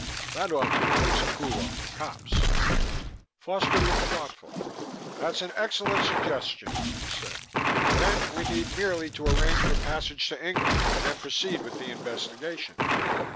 That ought to at least cool off the cops " Foster looked thoughtful. "That's an excellent suggestion," he said. "Then we need merely to arrange for passage to England, and proceed with the investigation."